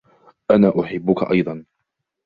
أنا أحبك أيضا.